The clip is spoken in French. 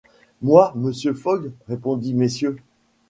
Moi, monsieur Fogg!... répondit Mrs.